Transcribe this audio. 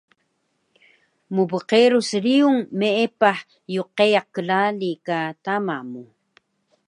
Mbqerus riyung meepah yqeyaq klaali ka tama mu